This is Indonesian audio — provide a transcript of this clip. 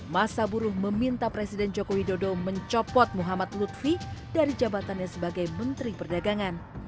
masa buruh meminta presiden joko widodo mencopot muhammad lutfi dari jabatannya sebagai menteri perdagangan